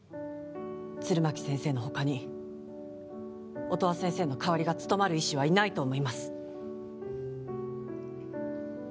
弦巻先生のほかに音羽先生の代わりが務まる医師はいないと思います